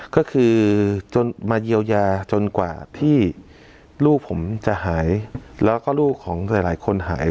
ก็คือจนมาเยียวยาจนกว่าที่ลูกผมจะหายแล้วก็ลูกของหลายคนหาย